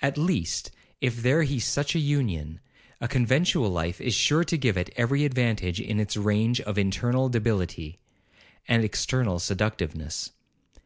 At least, if there he such an union, a conventual life is sure to give it every advantage in its range of internal debility, and external seductiveness.